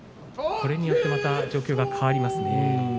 これによって状況が変わりますね。